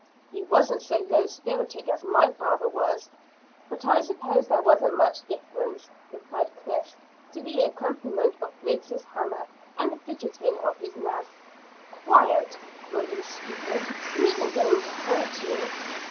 "He wasn't so low spirited as my father was; but I s'pose there wasn't much difference," replied Chris, to the accompaniment of Griggs' hammer and the fidgeting of his nag. "Quiet, will you, stupid! He isn't going to hurt you."